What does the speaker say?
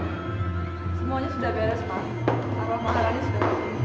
gezw zura god rooted hashtag yun bangko